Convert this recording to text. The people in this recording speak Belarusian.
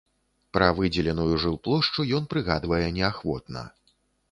Пра выдзеленую жылплошчу ён прыгадвае неахвотна.